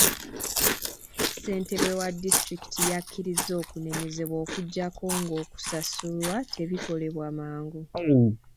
Ssentebe wa disitulikiti yakkiriza okunenyezebwa okuggyako ng'okusasulwa tebikolebwa mangu.